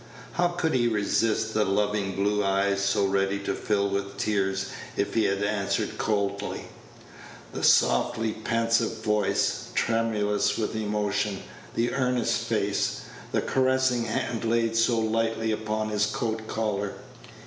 How could he resist the loving blue eyes so ready to fill with tears if he had answered coldly; the softly pensive voice, tremulous with emotion; the earnest face; the caressing hand laid so lightly upon his coat collar?